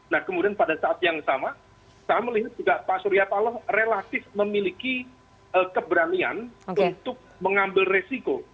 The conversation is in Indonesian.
nah kemudian pada saat yang sama saya melihat juga pak surya paloh relatif memiliki keberanian untuk mengambil resiko